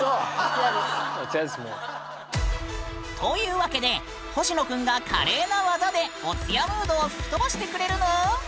うそ！というわけでほしのくんが華麗な技でお通夜ムードを吹き飛ばしてくれるぬん！